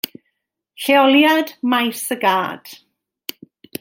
Lleoliad maes y gad.